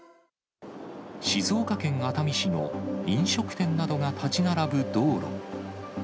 静岡県熱海市の飲食店などが建ち並ぶ道路。